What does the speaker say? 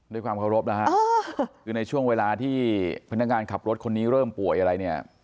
ด้วยความเคารพนะฮะคือในช่วงเวลาที่พนักงานขับรถคนนี้เริ่มป่วยอะไรเนี่ย